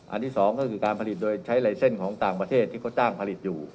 ที่สองก็คือการผลิตโดยใช้ลายเส้นของต่างประเทศที่เขาจ้างผลิตอยู่